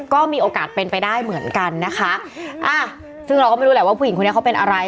ก็มีโอกาสเป็นไปได้เหมือนกันนะคะอ่ะซึ่งเราก็ไม่รู้แหละว่าผู้หญิงคนนี้เขาเป็นอะไร